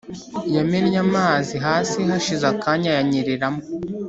Yamennye amazi hasi hashize akanya ayanyereramo